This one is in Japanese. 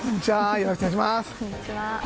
よろしくお願いします。